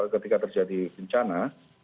ketika terjadi bencana